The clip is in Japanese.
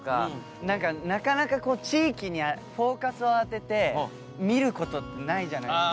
なんかなかなか地域にフォーカスを当てて見ることってないじゃないですか。